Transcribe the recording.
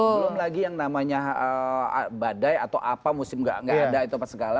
belum lagi yang namanya badai atau apa musim gak ada itu apa segala